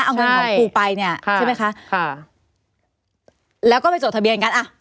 เอาเงินของคุณไปเนี่ย